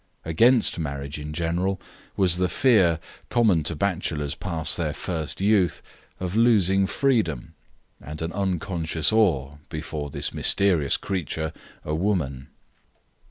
Against marriage in general was the fear, common to bachelors past their first youth, of losing freedom, and an unconscious awe before this mysterious creature, a woman.